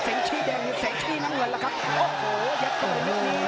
เสียขี้น้ำเงินแล้วครับโอ้โหยัดกระเบิดนิดนี้